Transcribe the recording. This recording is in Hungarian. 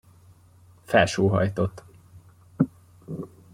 Felsóhajtott.